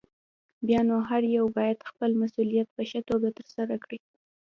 بيا نو هر يو بايد خپل مسؤليت په ښه توګه ترسره کړي.